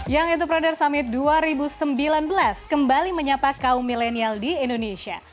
young itu proder summit dua ribu sembilan belas kembali menyapa kaum milenial di indonesia